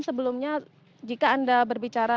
sebelumnya jika anda berbicara